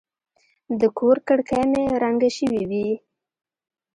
د کور کړکۍ مې رنګه شوې وې.